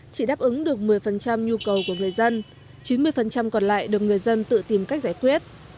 chỉ đáp ứng được một mươi nhu cầu của người dân chín mươi còn lại được người dân tự tìm cách giải quyết